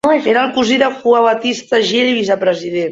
Era el cosí de Jua Bautista Gill i vicepresident.